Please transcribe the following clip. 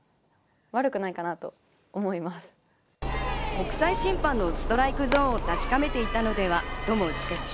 国際審判のストライクゾーンを確かめていたのではとの指摘。